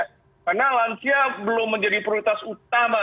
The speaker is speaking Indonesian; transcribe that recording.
karena lansia belum menjadi prioritas utama